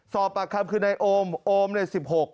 สอบปากคำคือนายโอมโอมใน๑๖